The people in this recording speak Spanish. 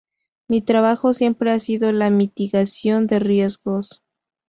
Mi trabajo siempre ha sido la mitigación de riesgos.